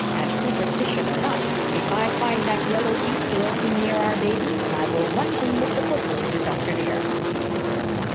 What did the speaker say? And superstition or not, if I find that yellow beast lurking near our baby I will whack him with the poker, Mrs. Doctor, dear."